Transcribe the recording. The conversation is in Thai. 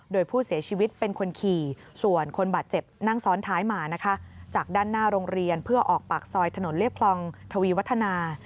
โดยผู้เสียชีวิตเป็นคนขี่ส่วนคนบาดเจ็บนั่งซ้อนท้ายมานะคะจากด้านหน้าโรงเรียนเพื่อออกปากซอยถนนเรียบคลองทวีวัฒนา